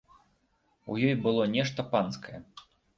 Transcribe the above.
У ёй было нешта панскае.